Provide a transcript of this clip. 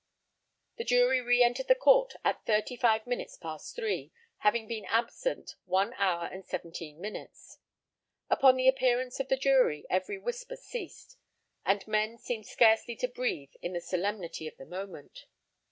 The jury re entered the Court at thirty five minutes past three, having been absent one hour and seventeen minutes. Upon the appearance of the jury every whisper ceased, and men seemed scarcely to breathe in the solemnity of the moment.